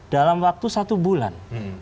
dalam waktu satu bulan